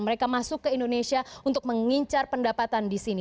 mereka masuk ke indonesia untuk mengincar pendapatan di sini